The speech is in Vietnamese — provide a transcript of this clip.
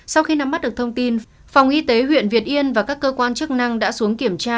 sau khi nắm mắt được thông tin phòng y tế huyện việt yên và các cơ quan chức năng đã xuống kiểm tra